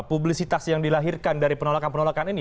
publisitas yang dilahirkan dari penolakan penolakan ini